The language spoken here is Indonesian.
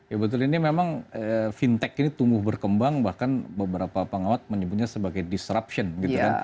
ya betul ini memang fintech ini tumbuh berkembang bahkan beberapa pengawat menyebutnya sebagai disruption gitu kan